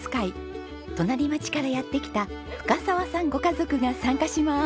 隣町からやって来た深澤さんご家族が参加します。